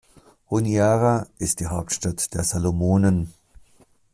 Honiara ist die Hauptstadt der Salomonen.